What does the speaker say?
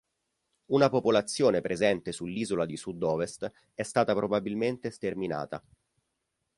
Una popolazione presente sull'Isola di Sud-Ovest è stata probabilmente sterminata.